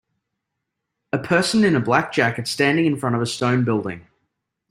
A person in a black jacket standing in front of a stone building.